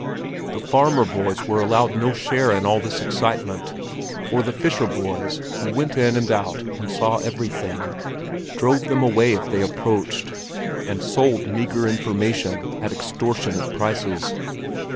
The farmer boys were allowed no share in all this excitement, for the fisher boys, who went in and out and saw everything, drove them away if they approached—and sold meagre information at extortionate prices.